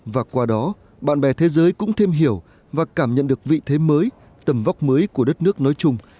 và qua đó bạn bè thế giới cũng thêm hiểu và cảm nhận được vị thế mới tầm vóc mới của đất nước nói chung